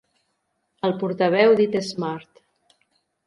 El portaveu d'Eat Smart.